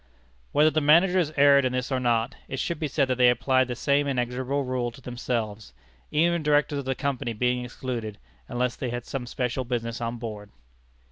Whether the Managers erred in this or not, it should be said that they applied the same inexorable rule to themselves even Directors of the Company being excluded, unless they had some special business on board.